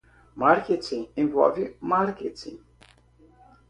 Marketing envolve marketing.